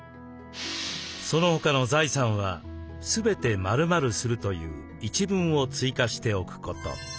「その他の財産はすべて○○する」という一文を追加しておくこと。